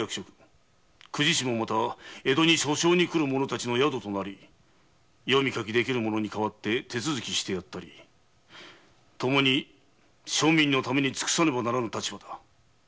公事師も江戸に訴訟に来る者たちの宿となり読み書きできぬ者に代わって手続きしてやったりともに庶民のために尽くさねばならぬ立場だ。